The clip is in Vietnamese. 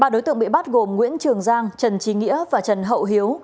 ba đối tượng bị bắt gồm nguyễn trường giang trần trí nghĩa và trần hậu hiếu